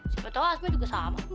siapa tau asma juga sama